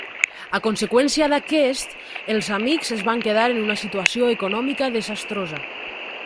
A conseqüència d'aquest, els amics es van quedar en una situació econòmica desastrosa.